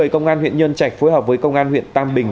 công an huyện nhân trạch phối hợp với công an huyện tam bình